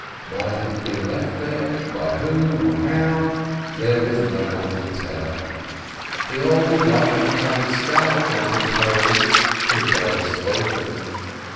Why it had been left there, by whom, or how, there was no one to tell. The old lichen covered skulls might have told, could they have spoken.